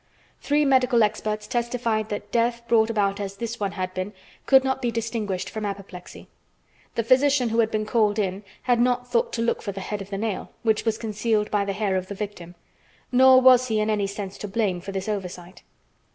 Three medical experts testified that death brought about as this one had been could not be distinguished from apoplexy. The physician who had been called in had not thought to look for the head of the nail, which was concealed by the hair of the victim, nor was he in any sense to blame for this oversight.